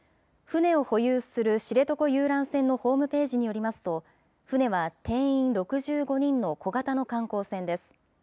船を保有する知床遊覧船のホームページによりますと、船は定員６５人の小型の観光船です。